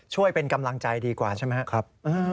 ช่วยเป็นกำลังใจดีกว่าใช่ไหมครับ